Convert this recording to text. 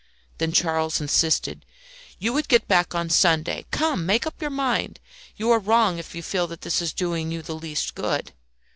Then Charles insisted "You would get back on Sunday. Come, make up your mind. You are wrong if you feel that this is doing you the least good."